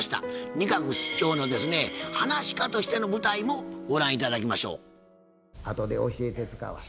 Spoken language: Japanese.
仁鶴室長のはなし家としての舞台もご覧頂きましょう。